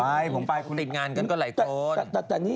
ไปผมไปติดงานกันก็ไหลตรง